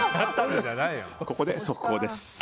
ここで速報です。